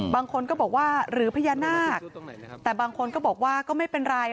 บางคนก็บอกว่าหรือพญานาคแต่บางคนก็บอกว่าก็ไม่เป็นไร